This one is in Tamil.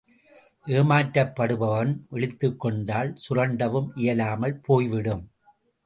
ஏமாற்றப்படுபவன் விழித்துக் கொண்டால் சுரண்டவும் இயலாமல் போய் விடும்!